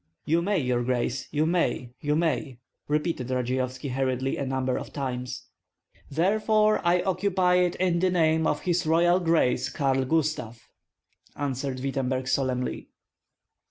"You may, your grace, you may, you may," repeated Radzeyovski hurriedly, a number of times. "Therefore I occupy it in the name of his Royal Grace Karl Gustav," answered Wittemberg, solemnly.